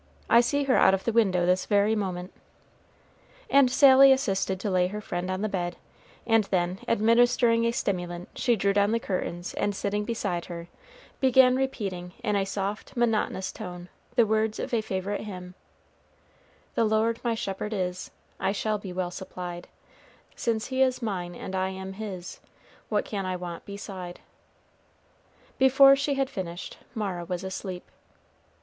I see her out of the window this very moment." And Sally assisted to lay her friend on the bed, and then, administering a stimulant, she drew down the curtains, and, sitting beside her, began repeating, in a soft monotonous tone, the words of a favorite hymn: "The Lord my shepherd is, I shall be well supplied; Since He is mine, and I am His, What can I want beside?" Before she had finished, Mara was asleep.